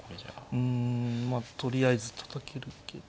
うんまあとりあえずたたけるけど。